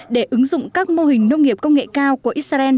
để ứng dụng các mô hình nông nghiệp công nghệ cao của israel